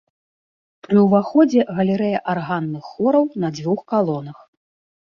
Пры ўваходзе галерэя арганных хораў на дзвюх калонах.